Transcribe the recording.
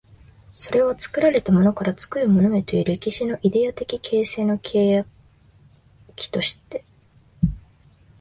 それは作られたものから作るものへという歴史のイデヤ的形成の契機として、